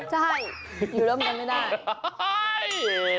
ใช่อยู่ร่วมกันไม่ได้